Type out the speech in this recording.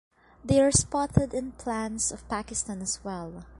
They are spotted in plans of Pakistan as well.